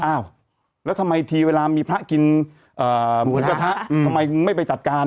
อ้าวแล้วทีเวลามีพระกินเอ่อหูกะทะทำไมไม่ไปจัดการ